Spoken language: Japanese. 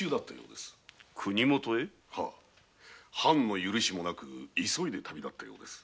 藩の許しもなく急いで旅立ったようです。